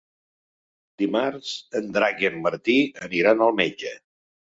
Dimarts en Drac i en Martí aniran al metge.